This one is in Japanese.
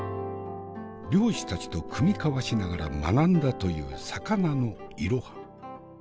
漁師たちと酌み交わしながら学んだという魚のいろは。